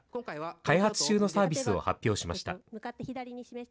開発中のサービスを発表しました。